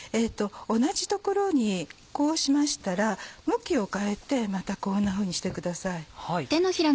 同じ所にこうしましたら向きを変えてまたこんなふうにしてください。